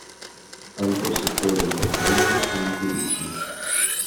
Altro settore importante è il turismo.